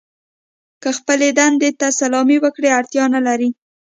که خپلې دندې ته سلامي وکړئ اړتیا نه لرئ.